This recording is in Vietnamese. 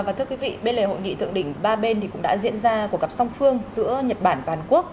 và thưa quý vị bên lề hội nghị thượng đỉnh ba bên thì cũng đã diễn ra cuộc gặp song phương giữa nhật bản và hàn quốc